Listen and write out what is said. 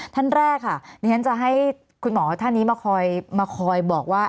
ท่านแรกค่ะดิฉันจะให้คุณหมอท่านนี้มาคอยมาคอยบอกว่า